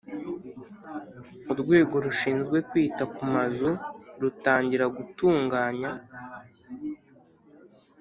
Urwego Rushinzwe Kwita ku Mazu rutangira gutunganya